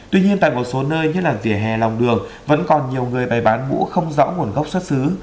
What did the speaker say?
tuy nhiên tại một số nơi nhất là vỉa hè lòng đường vẫn còn nhiều người bày bán mũ không rõ nguồn gốc xuất xứ